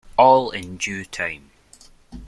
All in due time.